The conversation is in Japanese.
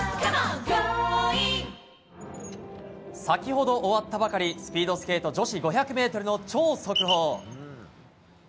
先ほど終わったばかりスピードスケート女子５００ｍの超速報。